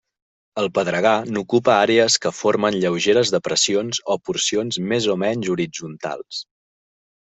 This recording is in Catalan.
Al pedregar n'ocupa àrees que formen lleugeres depressions o porcions més o menys horitzontals.